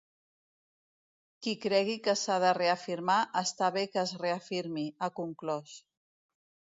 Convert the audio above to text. “Qui cregui que s’ha de reafirmar està bé que es reafirmi”, ha conclòs.